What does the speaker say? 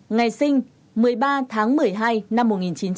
ngày sinh một mươi ba tháng một mươi hai năm một nghìn chín trăm bảy mươi